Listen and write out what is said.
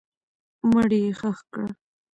مړی یې ښخ کړه.